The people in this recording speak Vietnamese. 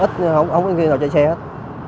không có khi nào chạy xe hết